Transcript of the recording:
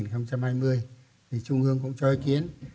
thì trung ương cũng cho ý kiến